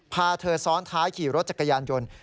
พาเธอซ้อนท้ายขี่รถจักรยานยนต์